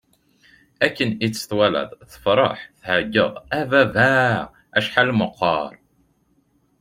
Akken i tt-walat, tefṛeḥ, tɛeggeḍ: A baba! Acḥal meqqeṛ!